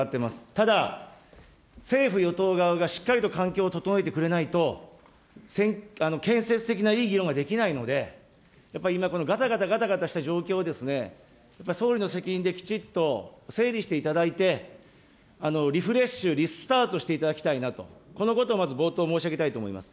ただ政府・与党側がしっかりと環境を整えてくれないと、建設的ないい議論ができないので、やっぱり今、このがたがたがたがたした状況を、総理の責任できちっと整理していただいて、リフレッシュ、リスタートしていただきたいなと、このことをまず冒頭申し上げたいと思います。